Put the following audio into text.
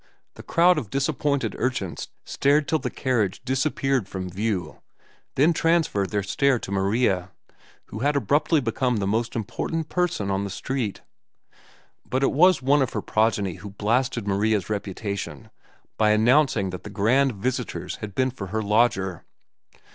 The crowd of disappointed urchins stared till the carriage disappeared from view, then transferred their stare to Maria, who had abruptly become the most important person on the street. But it was one of her progeny who blasted Maria's reputation by announcing that the grand visitors had been for her lodger.